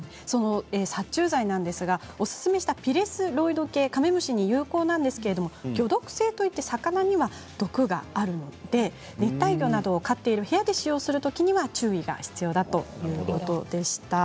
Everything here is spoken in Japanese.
おすすめしたピレスロイド系の殺虫剤カメムシには有効なんですが魚毒性といって魚には毒がありますので熱帯魚など飼っている部屋で使用するには注意が必要だということでした。